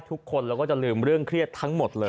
ทุกคนเราก็จะลืมเรื่องเครียดทั้งหมดเลย